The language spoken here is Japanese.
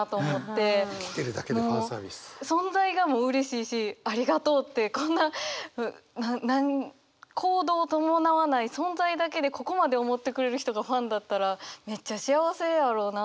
存在がもううれしいしありがとうってこんな行動を伴わない存在だけでここまで思ってくれる人がファンだったらめっちゃ幸せやろなと思いましたね。